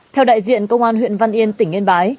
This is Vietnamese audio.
theo đại diện công an huyện văn yên tỉnh yên bái